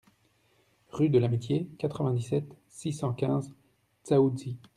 RUE DE L'AMITIE, quatre-vingt-dix-sept, six cent quinze Dzaoudzi